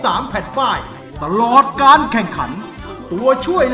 และเงินที่สะสมมาจะตกเป็นของผู้ที่ร้องถูก